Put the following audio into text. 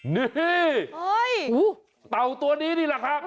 นี่เต่าตัวนี้นี่แหละครับ